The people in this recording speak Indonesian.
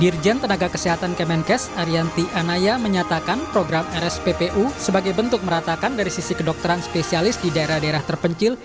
dirjen tenaga kesehatan kemenkes arianti anaya menyatakan program rsppu sebagai bentuk meratakan dari sisi kedokteran spesialis di daerah daerah terpencil